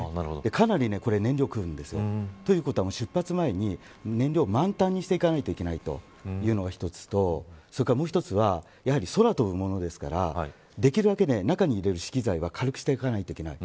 かなりこれは燃料を食うんです。ということは、出発前に燃料を満タンにしていかないといけないというのが一つとそれからもう一つは空を飛ぶものですからできるだけ中に入れる機材は軽くしていかないといけない。